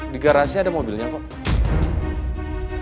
di garasi ada mobilnya kok